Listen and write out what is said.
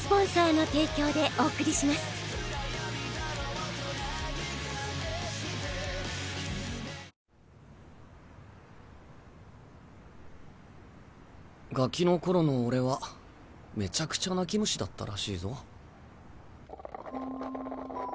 わぁガキの頃の俺はメチャクチャ泣き虫だったらしいぞ。